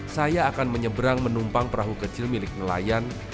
saya akan menyeberang menumpang perahu kecil milik nelayan